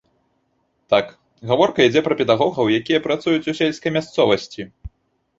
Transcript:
Так, гаворка ідзе пра педагогаў, якія працуюць у сельскай мясцовасці.